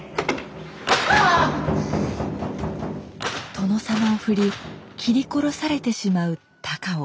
殿様をふり斬り殺されてしまう高尾。